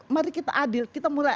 mari kita adil kita mulai